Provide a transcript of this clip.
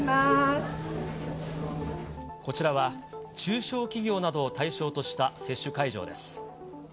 こちらは、中小企業などを対象とした接種会場です。